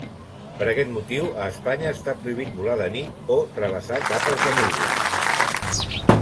Per aquest motiu, a Espanya està prohibit volar de nit o travessar capes de núvols.